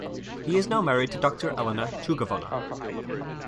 He is now married to Doctor Elena Tchougounova.